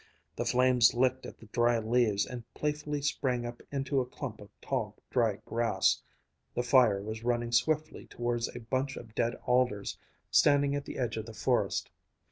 The flames licked at the dry leaves and playfully sprang up into a clump of tall dry grass. The fire was running swiftly towards a bunch of dead alders standing at the edge of the forest.